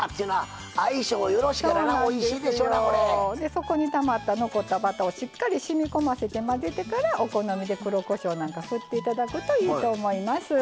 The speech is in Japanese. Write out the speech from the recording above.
そこにたまった残ったバターをしっかりしみこませ混ぜてからお好みで黒こしょうなんか振っていただくといいと思います。